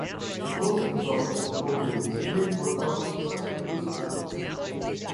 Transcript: Most of his operas composed during this period were also successfully produced at Naples.